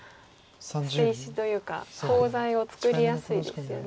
捨て石というかコウ材を作りやすいですよね。